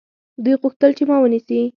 دوی غوښتل چې ما ونیسي.